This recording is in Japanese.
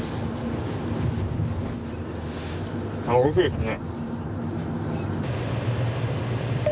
あっおいしいですね。